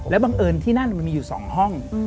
บังเอิญที่นั่นมันมีอยู่๒ห้อง